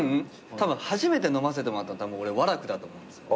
たぶん初めて飲ませてもらったのは和楽だと思うんですよね。